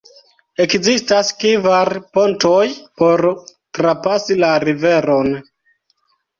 Ekzistas kvar pontoj por trapasi la riveron.